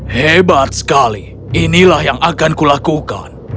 hebat sekali inilah yang akan kulakukan